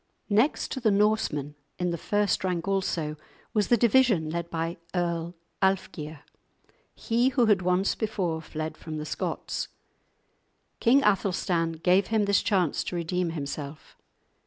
Next to the Norsemen, in the first rank also, was the division led by Earl Alfgeir, he who had once before fled from the Scots. King Athelstan gave him this chance to redeem himself.